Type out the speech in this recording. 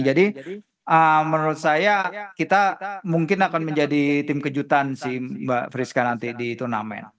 jadi menurut saya kita mungkin akan menjadi tim kejutan sih mbak friska nanti di turnamen